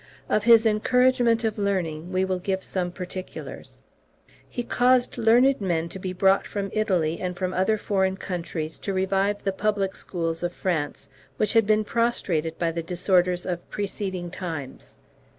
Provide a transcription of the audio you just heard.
Of his encouragement of learning we will give some particulars. He caused learned men to be brought from Italy and from other foreign countries to revive the public schools of France, which had been prostrated by the disorders of preceding times.